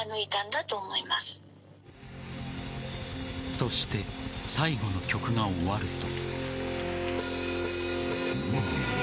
そして最後の曲が終わると。